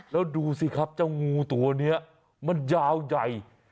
แล้วดูสิครับเจ้างูตัวนี้มันยาวใหญ่